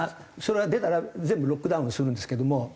それは出たら全部ロックダウンをするんですけども。